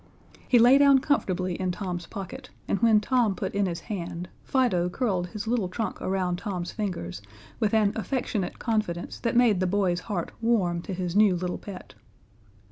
He lay down comfortably in Tom's pocket, and when Tom put in his hand, Fido curled his little trunk around Tom's fingers with an affectionate confidence that made the boy's heart warm to his new little pet.